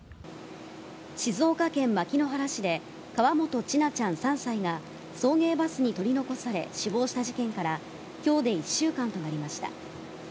静岡県牧之原市で、河本千奈ちゃん３歳が、送迎バスに取り残され死亡した事件から、きょうで１週間となりました。